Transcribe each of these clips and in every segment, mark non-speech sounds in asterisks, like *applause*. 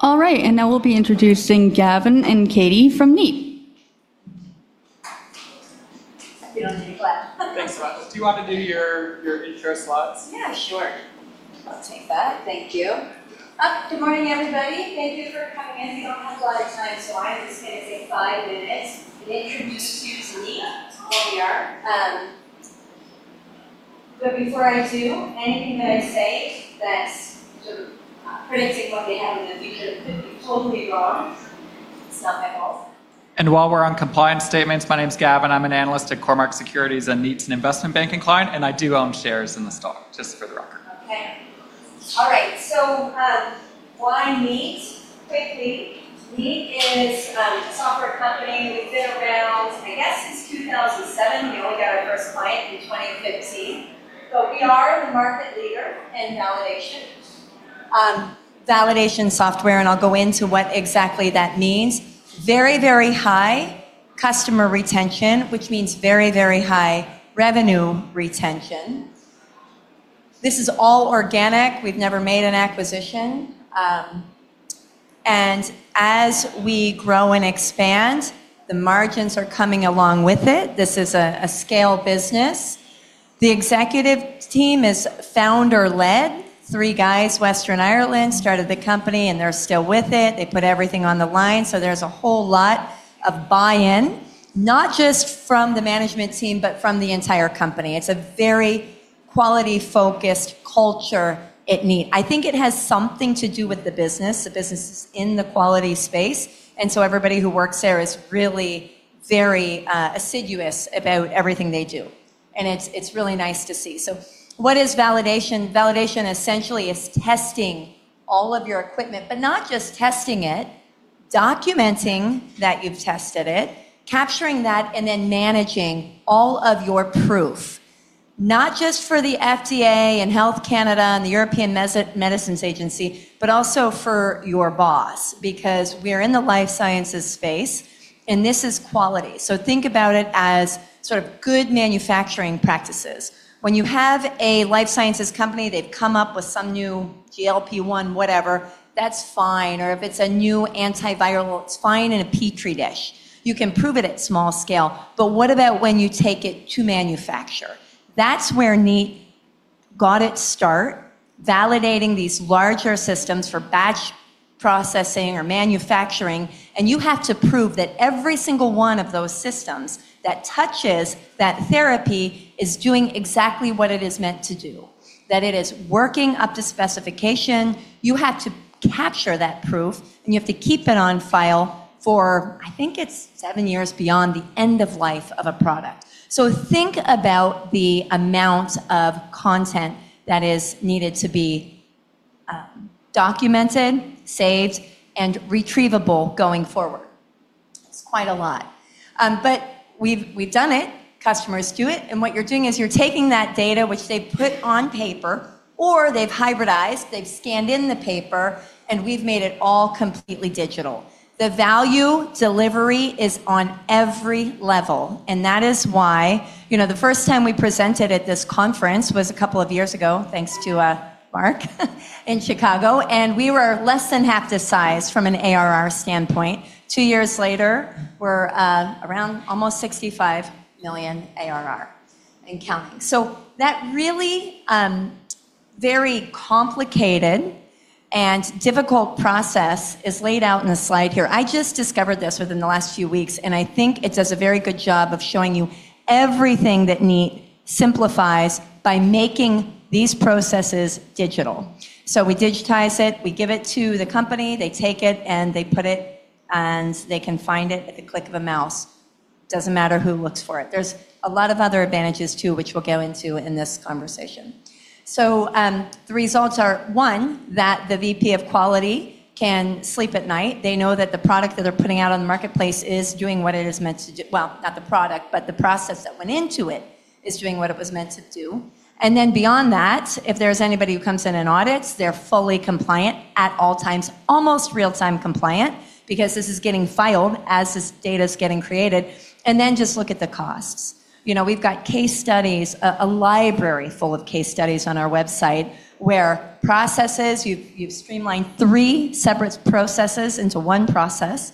All right. Now we'll be introducing Gavin and Katie from Kneat. Thanks a lot. Do you want to do your intro slots? Yeah, sure. I'll take that. Thank you. Good morning, everybody. Thank you for coming in. We don't have a lot of time, so I'm just going to take five minutes and introduce you to me, who we are. Before I do, anything that I say that's sort of predicting what they have in the future could be totally wrong. It's not my fault. While we're on compliance statements, my name is Gavin. I'm an analyst at Cormark Securities and Kneat's investment banking client, and I do own shares in the stock, just for the record. Okay. All right. So why Kneat? Quickly, Kneat is a software company. We've been around, I guess, since 2007. We got our first client in 2015. We are the market leader in validation. Validation software, and I'll go into what exactly that means. Very, very high customer retention, which means very, very high revenue retention. This is all organic. We've never made an acquisition. As we grow and expand, the margins are coming along with it. This is a scale business. The executive team is founder-led. Three guys, Western Ireland, started the company, and they're still with it. They put everything on the line. There is a whole lot of buy-in, not just from the management team, but from the entire company. It's a very quality-focused culture at Kneat. I think it has something to do with the business. The business is in the quality space. Everybody who works there is really very assiduous about everything they do. It's really nice to see. What is validation? Validation essentially is testing all of your equipment, but not just testing it, documenting that you've tested it, capturing that, and then managing all of your proof, not just for the FDA and Health Canada and the European Medicines Agency, but also for your boss, because we're in the life sciences space, and this is quality. Think about it as sort of good manufacturing practices. When you have a life sciences company, they've come up with some new GLP-1, whatever, that's fine. If it's a new antiviral, it's fine in a petri dish. You can prove it at small scale. What about when you take it to manufacture? That's where Kneat got its start, validating these larger systems for batch processing or manufacturing. You have to prove that every single one of those systems that touches that therapy is doing exactly what it is meant to do, that it is working up to specification. You have to capture that proof, and you have to keep it on file for, I think it's seven years beyond the end of life of a product. Think about the amount of content that is needed to be documented, saved, and retrievable going forward. It's quite a lot. We've done it. Customers do it. What you're doing is you're taking that data, which they put on paper, or they've hybridized, they've scanned in the paper, and we've made it all completely digital. The value delivery is on every level. That is why the first time we presented at this conference was a couple of years ago, thanks to Mark in Chicago. We were less than half the size from an ARR standpoint. Two years later, we're around almost $65 million ARR and counting. That really very complicated and difficult process is laid out in a slide here. I just discovered this within the last few weeks, and I think it does a very good job of showing you everything that Kneat simplifies by making these processes digital. We digitize it, we give it to the company, they take it, and they put it, and they can find it at the click of a mouse. It doesn't matter who looks for it. There are a lot of other advantages too, which we'll go into in this conversation. The results are, one, that the VP of Quality can sleep at night. They know that the product that they're putting out on the marketplace is doing what it is meant to do. Not the product, but the process that went into it is doing what it was meant to do. Beyond that, if there's anybody who comes in and audits, they're fully compliant at all times, almost real-time compliant, because this is getting filed as this data is getting created. Just look at the costs. We've got case studies, a library full of case studies on our website where processes, you've streamlined three separate processes into one process.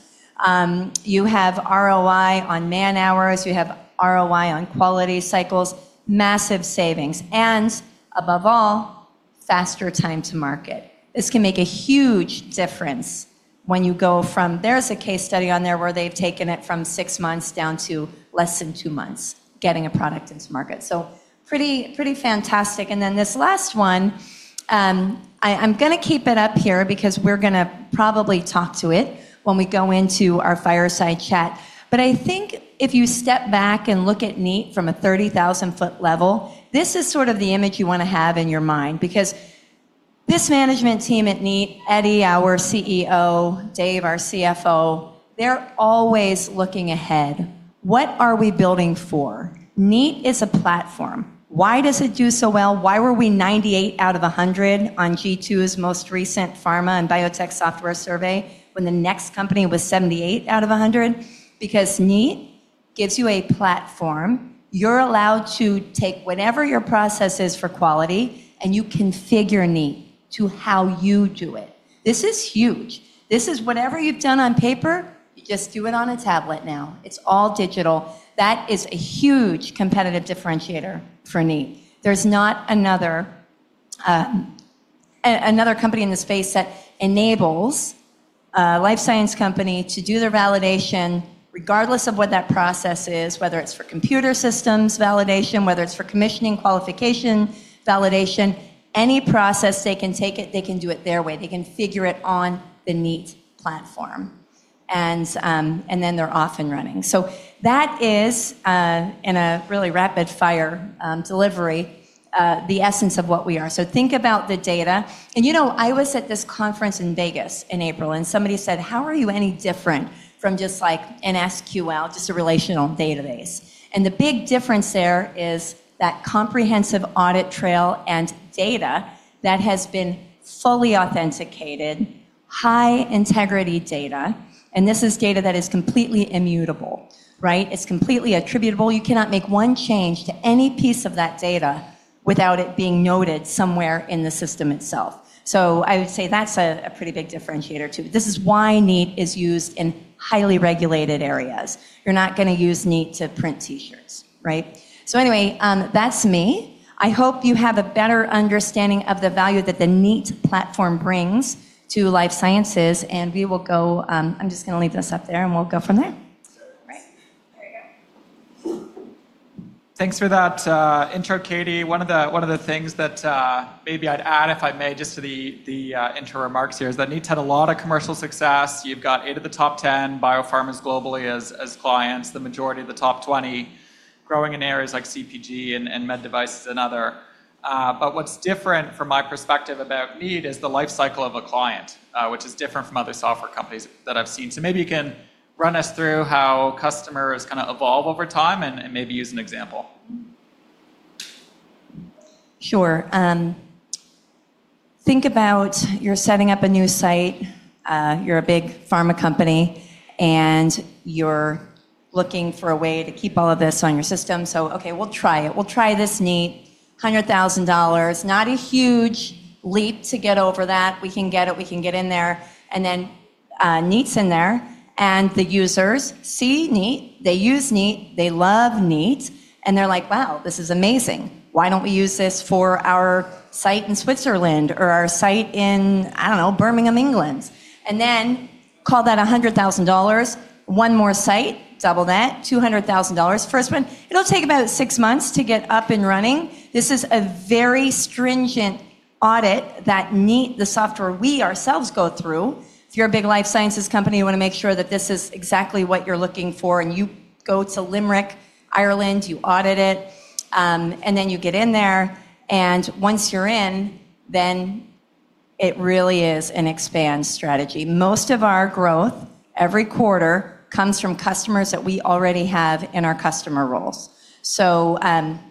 You have ROI on man-hours, you have ROI on quality cycles, massive savings, and above all, faster time to market. This can make a huge difference when you go from, there's a case study on there where they've taken it from six months down to less than two months getting a product into market. Pretty fantastic. This last one, I'm going to keep it up here because we're going to probably talk to it when we go into our fireside chat. I think if you step back and look at Kneat from a 30,000-ft level, this is sort of the image you want to have in your mind because this management team at Kneat, Eddie, our CEO, Dave, our CFO, they're always looking ahead. What are we building for? Kneat is a platform. Why does it do so well? Why were we 98 out of 100 on G2's most recent pharma and biotech software survey when the next company was 78 out of 100? Kneat gives you a platform. You're allowed to take whatever your process is for quality, and you configure Kneat to how you do it. This is huge. Whatever you've done on paper, you just do it on a tablet now. It's all digital. That is a huge competitive differentiator for Kneat. There's not another company in this space that enables a life sciences company to do their validation regardless of what that process is, whether it's for computer systems validation, whether it's for commissioning qualification validation, any process. They can take it, they can do it their way. They can configure it on the Kneat platform, and then they're off and running. That is, in a really rapid-fire delivery, the essence of what we are. Think about the data. I was at this conference in Vegas in April, and somebody said, "How are you any different from just like an SQL, just a relational database?" The big difference there is that comprehensive audit trail and data that has been fully authenticated, high integrity data. This is data that is completely immutable, right? It's completely attributable. You cannot make one change to any piece of that data without it being noted somewhere in the system itself. I would say that's a pretty big differentiator too. This is why Kneat is used in highly regulated areas. You're not going to use Kneat to print T-shirts, right? Anyway, that's me. I hope you have a better understanding of the value that the Kneat platform brings to life sciences. I'm just going to leave this up there and we'll go from there. Thanks for that intro, Katie. One of the things that maybe I'd add, if I may, just to the intro remarks here, is that Kneat had a lot of commercial success. You've got eight of the top 10 biopharmas globally as clients, the majority of the top 20, growing in areas like CPG and med devices and other. What's different from my perspective about Kneat is the lifecycle of a client, which is different from other software companies that I've seen. Maybe you can run us through how customers kind of evolve over time and maybe use an example. Sure. Think about you're setting up a new site. You're a big pharma company and you're looking for a way to keep all of this on your system. Okay, we'll try it. We'll try this Kneat. $100,000. Not a huge leap to get over that. We can get it. We can get in there. Kneat's in there. The users see Kneat. They use Kneat. They love Kneat. They're like, "Wow, this is amazing. Why don't we use this for our site in Switzerland or our site in, I don't know, Birmingham, England?" Call that $100,000. One more site, double that, $200,000. First one, it'll take about six months to get up and running. This is a very stringent audit that Kneat, the software we ourselves go through. If you're a big life sciences company, you want to make sure that this is exactly what you're looking for. You go to Limerick, Ireland, you audit it, and then you get in there. Once you're in, it really is an expand strategy. Most of our growth every quarter comes from customers that we already have in our customer roles. 12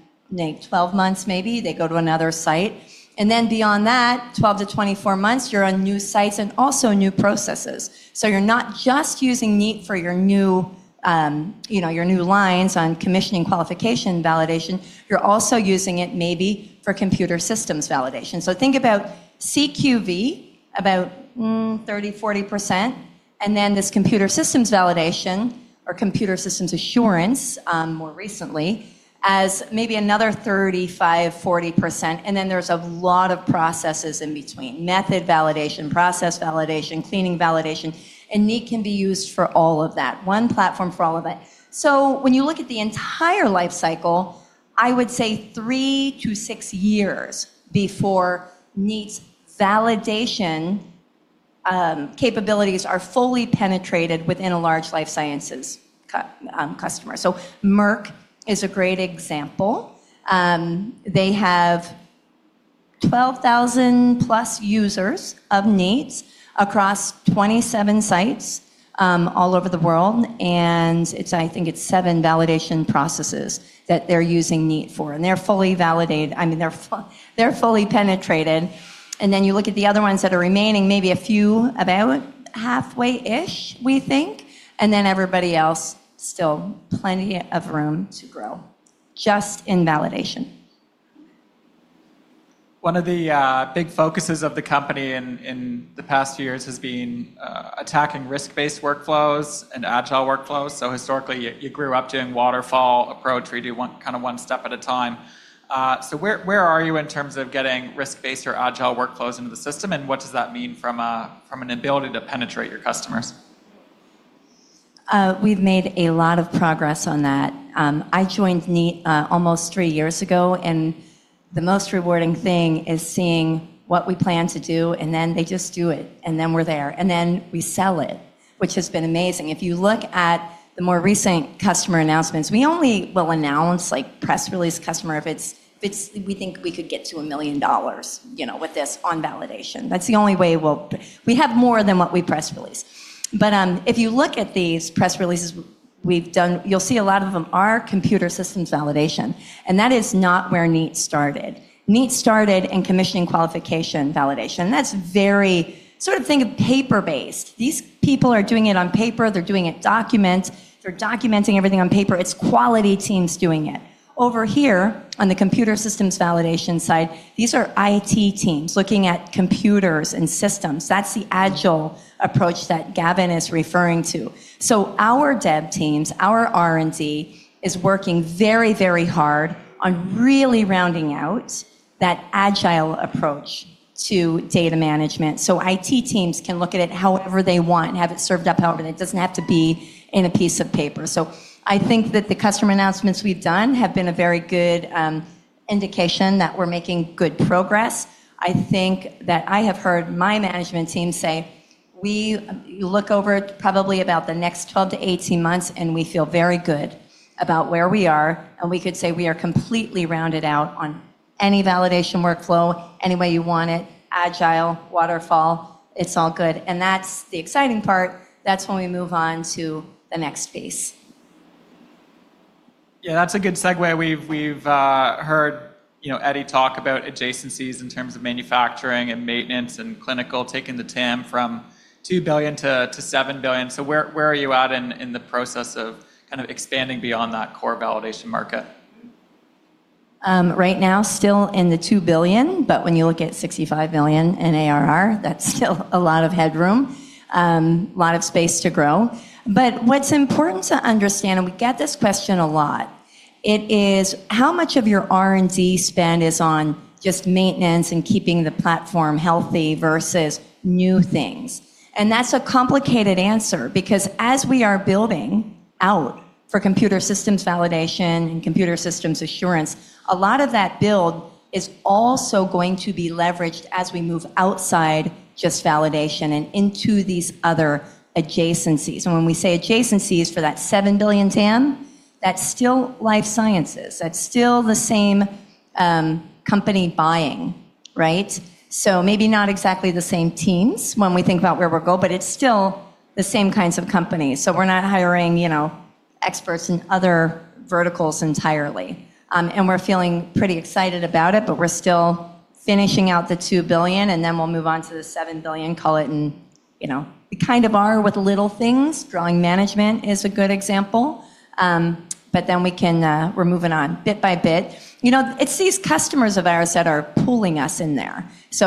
months maybe, they go to another site. Beyond that, 12-24 months, you're on new sites and also new processes. You're not just using Kneat for your new lines on commissioning qualification validation. You're also using it maybe for computer systems validation. Think about CQV, about 30%-40%. This computer systems validation or computer systems assurance more recently is maybe another 35%-40%. There are a lot of processes in between. Method validation, process validation, cleaning validation. Kneat can be used for all of that. One platform for all of that. When you look at the entire lifecycle, I would say three to six years before Kneat's validation capabilities are fully penetrated within a large life sciences customer. Merck is a great example. They have 12,000+ users of Kneat across 27 sites all over the world. I think it's seven validation processes that they're using Kneat for. They're fully validated. I mean, they're fully penetrated. You look at the other ones that are remaining, maybe a few about halfway-ish, we think. Everybody else, still plenty of room to grow just in validation. One of the big focuses of the company in the past years has been attacking risk-based workflows and agile workflows. Historically, you grew up doing waterfall approach. We do kind of one step at a time. Where are you in terms of getting risk-based or agile workflows into the system, and what does that mean from an ability to penetrate your customers? We've made a lot of progress on that. I joined Kneat almost three years ago. The most rewarding thing is seeing what we plan to do, and then they just do it, and then we're there, and then we sell it, which has been amazing. If you look at the more recent customer announcements, we only will announce, like, press release customer if we think we could get to $1 million with this on validation. That's the only way we'll... We have more than what we press release. If you look at these press releases we've done, you'll see a lot of them are computer systems validation. That is not where Kneat started. Kneat started in commissioning qualification validation, and that's very sort of, think of paper-based. These people are doing it on paper. They're documenting everything on paper. It's quality teams doing it. Over here on the computer systems validation side, these are IT teams looking at computers and systems. That's the agile approach that Gavin is referring to. Our dev teams, our R&D is working very, very hard on really rounding out that agile approach to data management. IT teams can look at it however they want and have it served up however. It doesn't have to be in a piece of paper. I think that the customer announcements we've done have been a very good indication that we're making good progress. I have heard my management team say, we look over probably about the next 12-18 months and we feel very good about where we are. We could say we are completely rounded out on any validation workflow, any way you want it, agile, waterfall, it's all good. That's the exciting part. That's when we move on to the next phase. Yeah, that's a good segue. We've heard Eddie talk about adjacencies in terms of manufacturing and maintenance and clinical, taking the TAM from $2 billion to $7 billion. Where are you at in the process of kind of expanding beyond that core validation market? Right now, still in the $2 billion, but when you look at $65 million in ARR, that's still a lot of headroom, a lot of space to grow. What's important to understand, and we get this question a lot, is how much of your R&D spend is on just maintenance and keeping the platform healthy versus new things. That's a complicated answer because as we are building out for computer systems validation and computer systems assurance, a lot of that build is also going to be leveraged as we move outside just validation and into these other adjacencies. When we say adjacencies for that $7 billion TAM, that's still life sciences. That's still the same company buying, right? Maybe not exactly the same teams when we think about where we'll go, but it's still the same kinds of companies. We're not hiring experts in other verticals entirely. We're feeling pretty excited about it, but we're still finishing out the $2 billion, and then we'll move on to the $7 billion, call it, and we kind of are with little things. Drawing management is a good example. We're moving on bit by bit. These customers of ours are pulling us in there.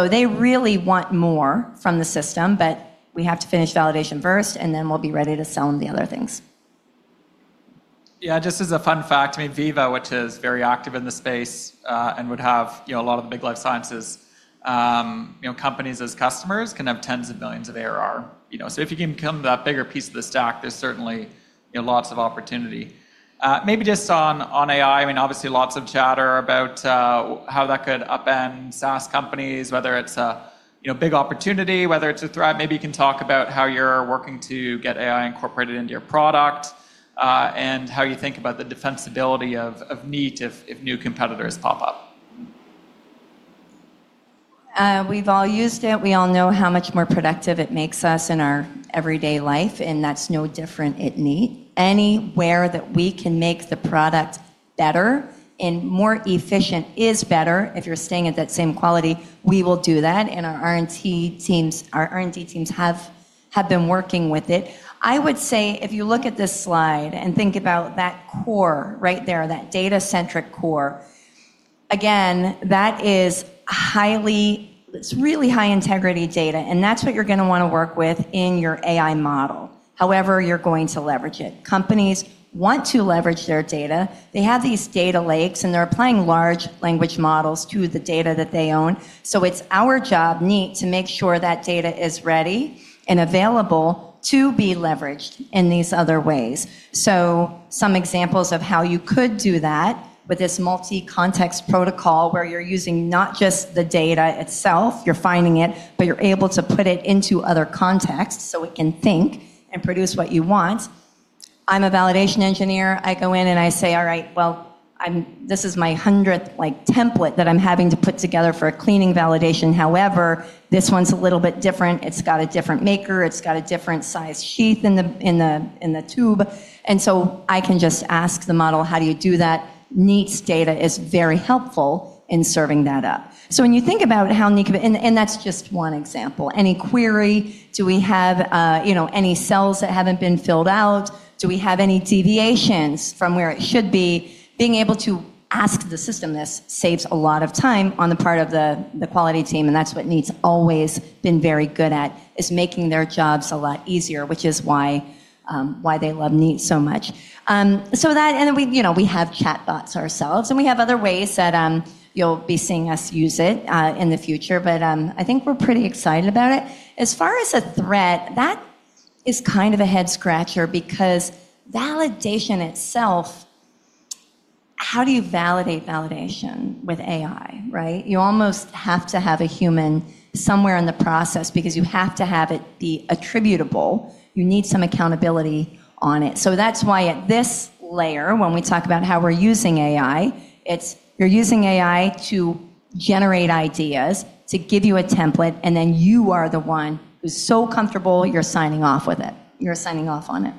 They really want more from the system, but we have to finish validation first, and then we'll be ready to sell them the other things. Yeah, just as a fun fact, I mean, Veeva, which is very active in the space and would have, you know, a lot of the big life sciences companies as customers, can have tens of millions of ARR. If you can come to that bigger piece of the stack, there's certainly lots of opportunity. Maybe just on AI, obviously lots of chatter about how that could upend SaaS companies, whether it's a big opportunity or whether it's a threat. Maybe you can talk about how you're working to get AI incorporated into your product and how you think about the defensibility of Kneat if new competitors pop up. We've all used it. We all know how much more productive it makes us in our everyday life, and that's no different at Kneat. Anywhere that we can make the product better and more efficient is better. If you're staying at that same quality, we will do that. Our R&D teams have been working with it. I would say if you look at this slide and think about that core right there, that data-centric core, again, that is highly, it's really high integrity data, and that's what you're going to want to work with in your AI model, however you're going to leverage it. Companies want to leverage their data. They have these data lakes, and they're applying large language models to the data that they own. It's our job, Kneat, to make sure that data is ready and available to be leveraged in these other ways. Some examples of how you could do that with this multi-context protocol where you're using not just the data itself, you're finding it, but you're able to put it into other contexts so it can think and produce what you want. I'm a validation engineer. I go in and I say, all right, this is my hundredth template that I'm having to put together for a cleaning validation. However, this one's a little bit different. It's got a different maker. It's got a different size sheath in the tube. I can just ask the model, how do you do that? Kneat's data is very helpful in serving that up. When you think about how Kneat can be, and that's just one example, any query, do we have any cells that haven't been filled out? Do we have any deviations from where it should be? Being able to ask the system this saves a lot of time on the part of the quality team, and that's what Kneat has always been very good at, making their jobs a lot easier, which is why they love Kneat so much. We have chat bots ourselves, and we have other ways that you'll be seeing us use it in the future. I think we're pretty excited about it. As far as a threat, that is kind of a head scratcher because validation itself, how do you validate validation with AI, right? You almost have to have a human somewhere in the process because you have to have it be attributable. You need some accountability on it. That's why at this layer, when we talk about how we're using AI, it's you're using AI to generate ideas, to give you a template, and then you are the one who's so comfortable, you're signing off with it. You're signing off on it.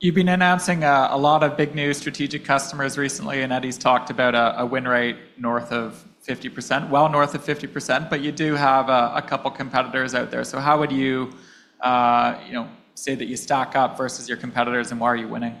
You've been announcing a lot of big new strategic customers recently, and Eddie's talked about a win rate north of 50%, well north of 50%. You do have a couple of competitors out there. How would you say that you stack up versus your competitors and why are you winning?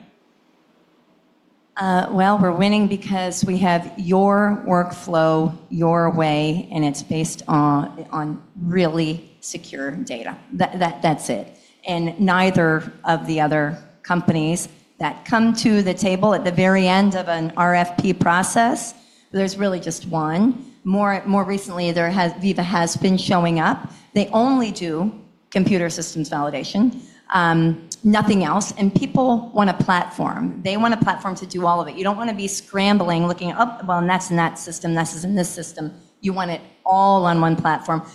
We are winning because we have your workflow, your way, and it's based on really secure data. That's it. Neither of the other companies that come to the table at the very end of an RFP process, there's really just one. More recently, Veeva has been showing up. They only do computer systems validation, nothing else. People want a platform. They want a platform to do all of it. You don't want to be scrambling, looking up, well, that's in that system, that's in this system. You want it all on one platform.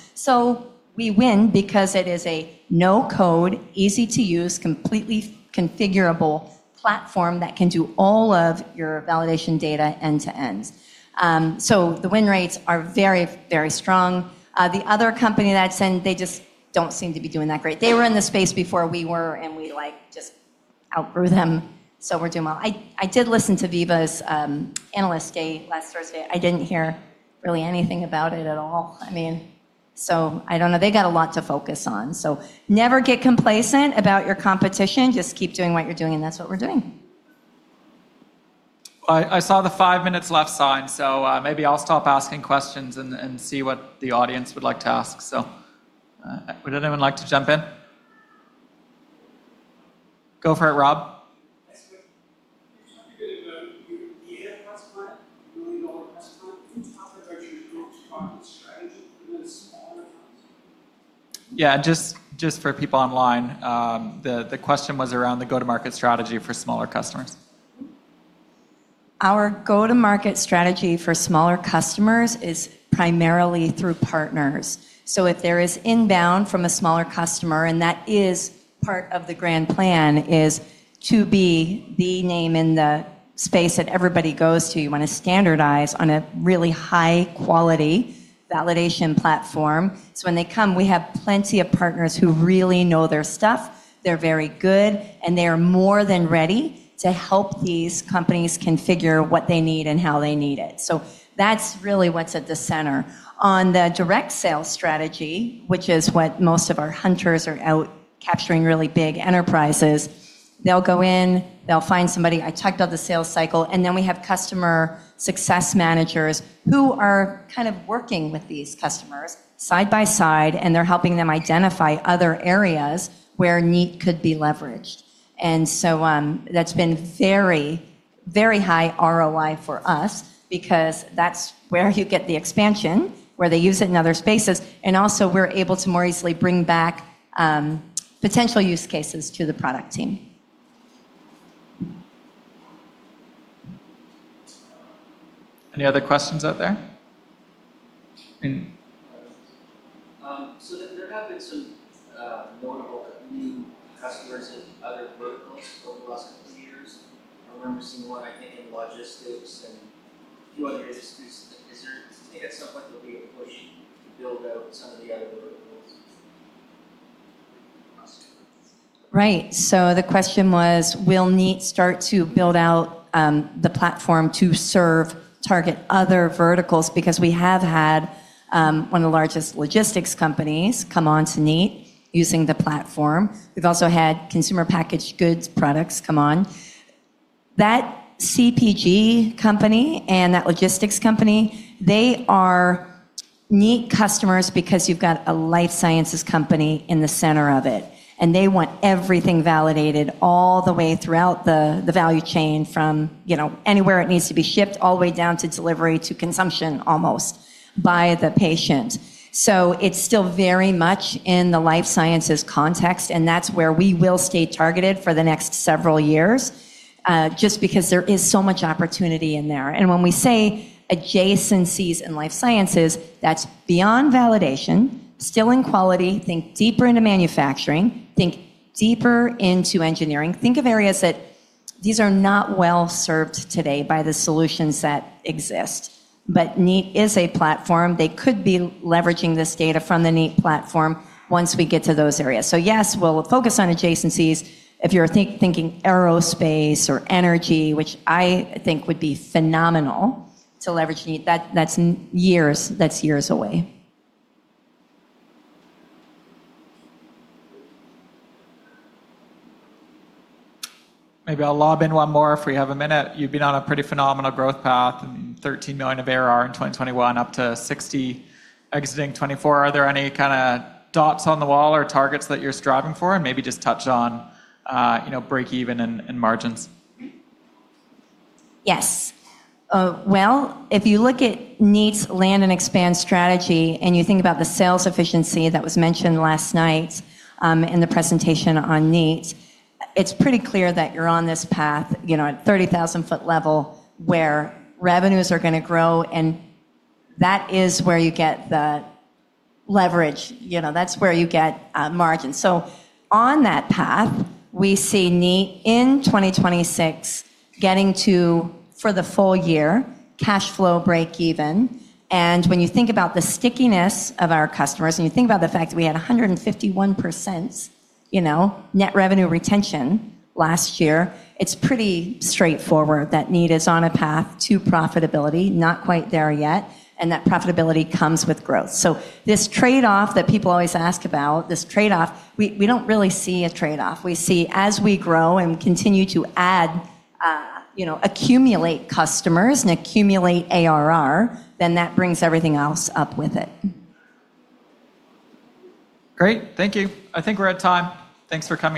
We win because it is a no-code, easy-to-use, completely configurable platform that can do all of your validation data end-to-end. The win rates are very, very strong. The other company that's in, they just don't seem to be doing that great. They were in the space before we were, and we just outgrew them. We are doing well. I did listen to Veeva's Analyst Day last Thursday. I didn't hear really anything about it at all. I mean, I don't know. They got a lot to focus on. Never get complacent about your competition. Just keep doing what you're doing, and that's what we're doing. I saw the five minutes left sign, so maybe I'll stop asking questions and see what the audience would like to ask. Would anyone like to jump in? Go for it, Rob. *inaudible* Can you talk a bit about your VA customer, a $1 million customer? Can you talk about your go-to-market strategy for those smaller companies? Yeah, just for people online, the question was around the go-to-market strategy for smaller customers. Our go-to-market strategy for smaller customers is primarily through partners. If there is inbound from a smaller customer, that is part of the grand plan, to be the name in the space that everybody goes to. You want to standardize on a really high-quality validation platform. When they come, we have plenty of partners who really know their stuff. They're very good, and they are more than ready to help these companies configure what they need and how they need it. That's really what's at the center. On the direct sales strategy, which is what most of our hunters are out capturing really big enterprises, they'll go in, they'll find somebody. I talked about the sales cycle, and we have customer success managers who are kind of working with these customers side by side, and they're helping them identify other areas where Kneat could be leveraged. That's been very, very high ROI for us because that's where you get the expansion, where they use it in other spaces, and we're able to more easily bring back potential use cases to the product team. Any other questions out there? There have been some notable new customers in other verticals over the last couple of years. I remember seeing one, I think, in logistics and a few other industries. Is there at some point there'll be a push to build out some of the other verticals? Right. The question was, will Kneat start to build out the platform to serve, target other verticals? We have had one of the largest logistics companies come on to Kneat using the platform. We've also had consumer packaged goods products come on. That CPG company and that logistics company, they are Kneat customers because you've got a life sciences company in the center of it. They want everything validated all the way throughout the value chain, from anywhere it needs to be shipped, all the way down to delivery to consumption, almost by the patient. It's still very much in the life sciences context. That's where we will stay targeted for the next several years, just because there is so much opportunity in there. When we say adjacencies in life sciences, that's beyond validation, still in quality, think deeper into manufacturing, think deeper into engineering, think of areas that these are not well-served today by the solutions that exist. Kneat is a platform. They could be leveraging this data from the Kneat platform once we get to those areas. Yes, we'll focus on adjacencies. If you're thinking aerospace or energy, which I think would be phenomenal to leverage Kneat, that's years, that's years away. Maybe I'll lob in one more if we have a minute. You've been on a pretty phenomenal growth path. I mean, $13 million of ARR in 2021, up to $60 million exiting 2024. Are there any kind of dots on the wall or targets that you're striving for? Maybe just touch on, you know, break even in margins. Yes. If you look at Kneat's land-and-expand strategy and you think about the sales efficiency that was mentioned last night in the presentation on Kneat, it's pretty clear that you're on this path, you know, at 30,000-ft level, where revenues are going to grow. That is where you get the leverage. You know, that's where you get margins. On that path, we see Kneat in 2026 getting to, for the full year, cash flow break-even. When you think about the stickiness of our customers and you think about the fact that we had 151% net revenue retention last year, it's pretty straightforward that Kneat is on a path to profitability, not quite there yet. That profitability comes with growth. This trade-off that people always ask about, this trade-off, we don't really see a trade-off. We see as we grow and continue to add, you know, accumulate customers and accumulate ARR, then that brings everything else up with it. Great. Thank you. I think we're at time. Thanks for coming.